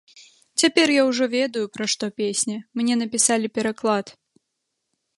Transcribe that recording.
Цяпер я ўжо ведаю, пра што песня, мне напісалі пераклад.